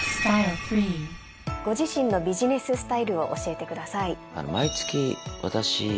ご自身のビジネススタイルを教えてください。